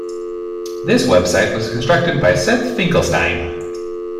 This website was constructed by Seth Finkelstein.